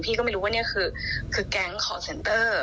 ก็ไม่รู้ว่านี่คือแก๊งคอร์เซ็นเตอร์